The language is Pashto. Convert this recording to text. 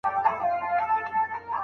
په ناحقه د بل چا حق مه خورئ.